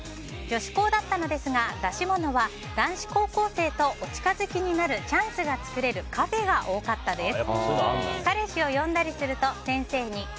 女子校だったのですが出し物は男子高校生とお近づきになるチャンスが作れるカフェが多かったです。